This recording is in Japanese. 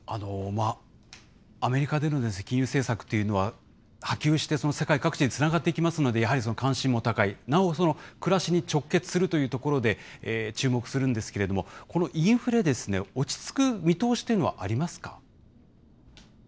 アメリカでの金融政策というのは、波及して、世界各地につながっていきますので、やはり関心も高い、なお、暮らしに直結するということで注目するんですけれども、このインフレ、落ち着く見通しというのはありますか。